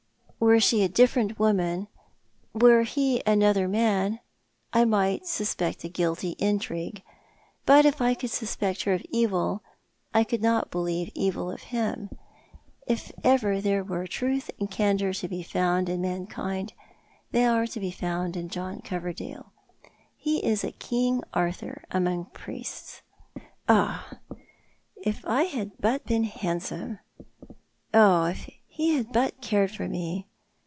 Were she a different woman, were he another man, I might suspect a guilty intrigue ; but if I could suspect her of evil I could not believe evil of him. If ever there were truth and candour to be found in mankind they are to be found in John Coverdale. He is a King Arthur among priests. Oh, if I had but been handsome ! Oh, if he had but cared for me